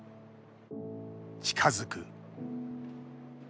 近づく。